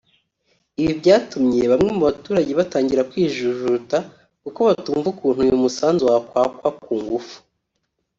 Ibi byatumye bamwe mu baturage batangira kwijujuta kuko batumva ukuntu uyu musanzu wakwakwa ku ngufu